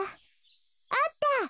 あった！